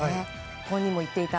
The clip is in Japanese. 本人も言っていた